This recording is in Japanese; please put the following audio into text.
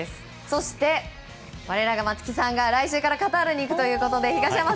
そして我らが松木さんが来週からカタールに行くということで。